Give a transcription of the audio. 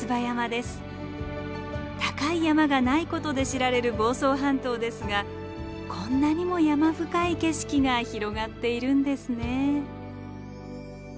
高い山がないことで知られる房総半島ですがこんなにも山深い景色が広がっているんですね。